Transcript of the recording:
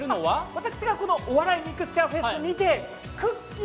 私はこの「お笑いミクスチャーフェス」にてくっきー！